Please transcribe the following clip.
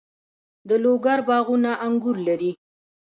د لوګر باغونه انګور لري.